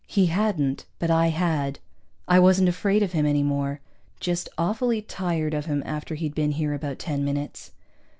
He hadn't, but I had. I wasn't afraid of him any more, just awfully tired of him after he'd been here about ten minutes.